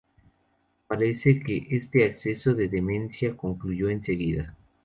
Parece que este acceso de demencia concluyó enseguida.